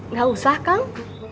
gak usah kang